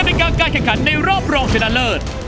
ในการการแข่งขันในรอบรองชนะเลิศ